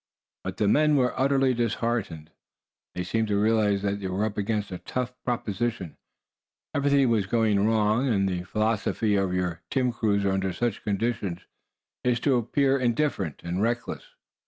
But the men were utterly disheartened. They seemed to realize that they were up against a tough proposition. Everything was going wrong; and the philosophy of your timber cruiser under such conditions is to appear indifferent and reckless.